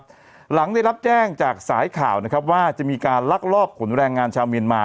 หลังได้รับแจ้งจากสายข่าวนะครับว่าจะมีการลักลอบขนแรงงานชาวเมียนมา